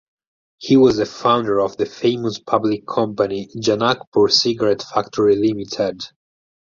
He was the founder of the famous public company Janakpur Cigarette Factory Limited.